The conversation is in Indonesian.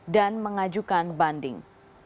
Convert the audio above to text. dan mengajukan banding